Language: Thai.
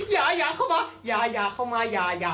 อย่าอย่าเข้ามาอย่าอย่าเข้ามาอย่าอย่า